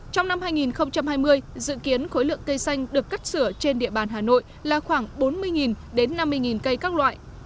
trong năm hai nghìn hai mươi dự kiến khối lượng cây xanh được cắt sửa trên địa bàn hà nội là khoảng bốn mươi năm mươi cây các loại